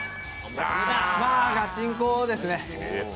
「ガチンコ！」ですね。